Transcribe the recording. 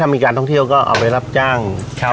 มีการท่องเที่ยวก็เอาไปรับจ้าง